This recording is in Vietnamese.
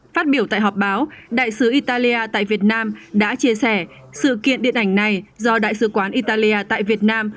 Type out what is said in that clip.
phát biểu tại họp báo đại sứ italia tại việt nam đã chia sẻ sự kiện điện ảnh này do đại sứ quán italia tại việt nam